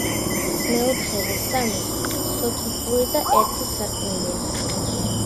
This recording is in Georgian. მეოთხეზე სამი სათოფური და ერთი სარკმელია.